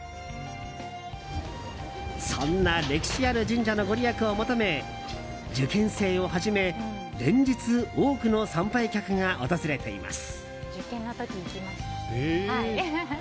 そんな歴史ある神社のご利益を求め受験生をはじめ連日多くの参拝客が訪れています。